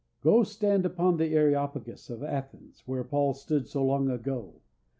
Go stand upon the Areopagus of Athens, where Paul stood so long ago.